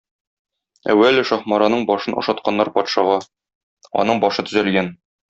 Әүвәле Шаһмараның башын ашатканнар патшага, аның башы төзәлгән.